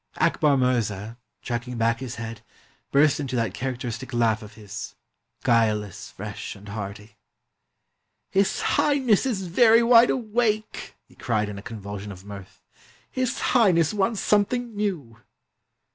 Akbar Mirza, chucking back his head, burst into that characteristic laugh of his, guileless, fresh, and hearty. "'His Highness is very wide awake'!" he cried in a convulsion of mirth. "'His Highness wants something new'!"